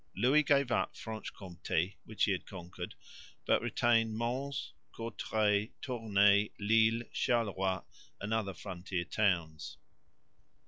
Louis gave up Franche Comté, which he had conquered, but retained Mons, Courtrai, Tournai, Lille, Charleroi and other frontier towns.